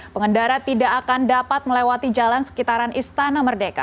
pengendara tidak akan dapat melewati jalan sekitaran istana merdeka